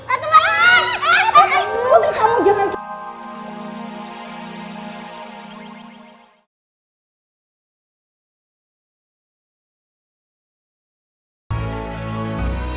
atuh mbak min